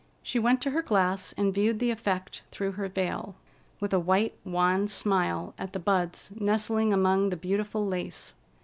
She went to her glass and viewed the effect through her veil, with a white, wan smile at the buds nestling among the beautiful lace.